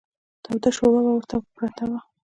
توده شوروا به ورته پرته وه.